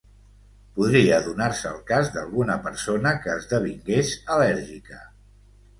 Podria donar-se el cas d'alguna persona que esdevingués al·lèrgica.